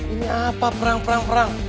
ini apa perang perang